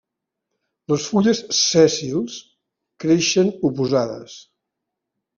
Les fulles sèssils creixen oposades.